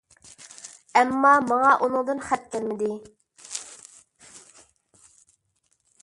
ئەمما، ماڭا ئۇنىڭدىن خەت كەلمىدى.